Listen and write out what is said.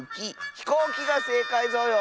「ひこうき」がせいかいぞよ！